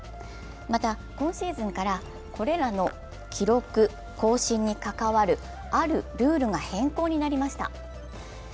また今シーズンから、これらの記録更新に関わるあるルールが変更になりました。